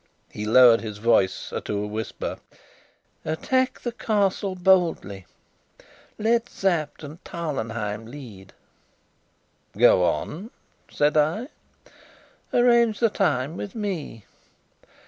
He lowered his voice to a whisper. "Attack the Castle boldly. Let Sapt and Tarlenheim lead." "Go on," said I. "Arrange the time with me."